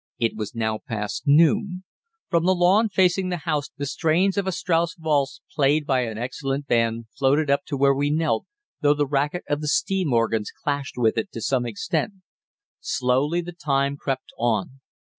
It was now past noon. From the lawn facing the house the strains of a Strauss valse, played by an excellent band, floated up to where we knelt, though the racket of the steam organs clashed with it to some extent. Slowly the time crept on.